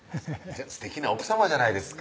すてきな奥さまじゃないですか